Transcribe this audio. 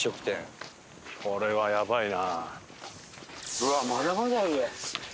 うわっまだまだある上。